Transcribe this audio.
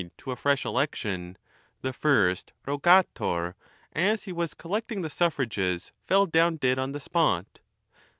259 fresh election, the first Eogator,' as he was collecting the suffrages, fell down dead on the spot.